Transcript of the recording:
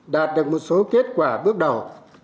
đạt được một số kết quả bước đầu